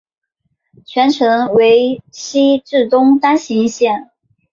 全程为西至东单行线。